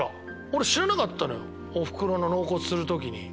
俺知らなかったのよおふくろの納骨する時に。